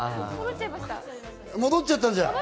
戻っちゃったじゃん！